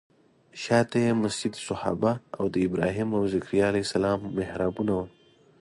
شاته یې مسجد صحابه او د ابراهیم او ذکریا علیه السلام محرابونه وو.